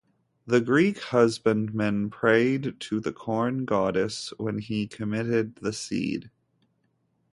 The Greek husbandman prayed to the Corn Goddess when he committed the seed.